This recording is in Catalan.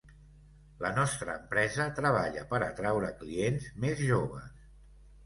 La nostra empresa treballa per atraure clients més joves.